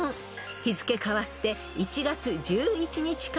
［日付変わって１月１１日から出題］